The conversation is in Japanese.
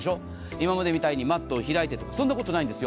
今までみたいにマットを開いてとか、そんなことないんですよ。